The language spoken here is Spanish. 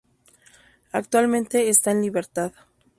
Actualmente está en libertad.